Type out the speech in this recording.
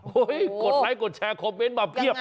โอ้ยกดไลค์กดแชร์คอมเม้นต์มาเบี้ยบ